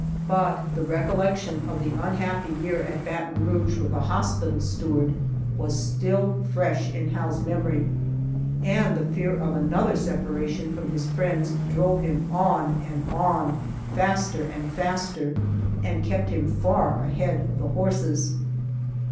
But the recollection of the unhappy year at Baton Rouge with the hospital steward was still fresh in Hal's memory, and the fear of another separation from his friends drove him on and on, faster and faster, and kept him far ahead of the horses.